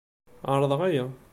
Ɛerḍeɣ aya.